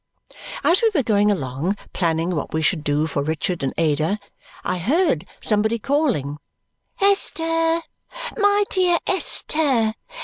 As we were going along, planning what we should do for Richard and Ada, I heard somebody calling "Esther! My dear Esther!